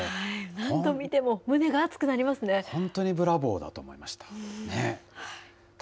何度見ても、本当にブラボーだと思いました。